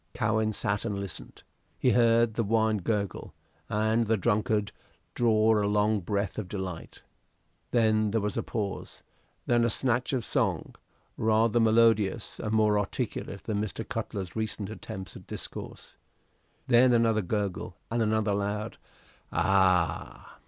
Cowen sat and listened. He heard the wine gurgle, and the drunkard draw a long breath of delight. Then there was a pause; then a snatch of song, rather melodious and more articulate than Mr. Cutler's recent attempts at discourse. Then another gurgle and another loud "Ah!"